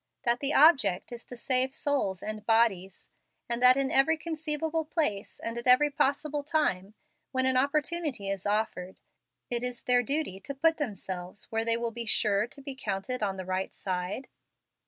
that the object is to save souls, and bodies, and that in every con¬ ceivable place, and at every possible time, when an opportunity is offered, it is their duty to put themselves where they will be sure to be counted on the right side